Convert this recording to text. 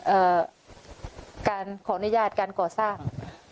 เอ่อการขออนุญาตการก่อสร้าง